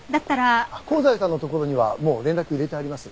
香西さんのところにはもう連絡入れてあります。